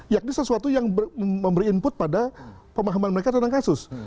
yakni sesuatu yang memberi input pada pemahaman mereka tentang kasus